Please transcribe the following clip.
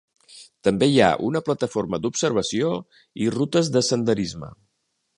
També hi ha una plataforma d'observació i rutes de senderisme.